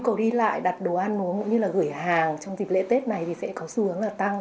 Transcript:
nhu cầu đi lại đặt đồ ăn uống cũng như là gửi hàng trong dịp lễ tết này thì sẽ có xu hướng là tăng